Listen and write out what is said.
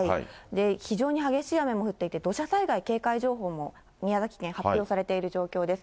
非常に激しい雨も降っていて、土砂災害警戒情報も宮崎県、発表されている状況です。